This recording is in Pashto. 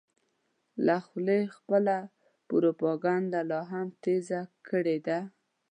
له خولې خپله پروپیګنډه لا هم تېزه کړې ده.